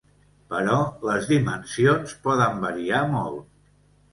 Però les dimensions poden variar molt.